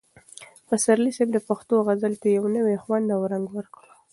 پسرلي صاحب د پښتو غزل ته یو نوی خوند او رنګ ورکړ.